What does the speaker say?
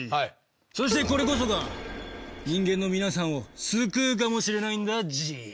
そしてこれこそが人間の皆さんを救うかもしれないんだＧ。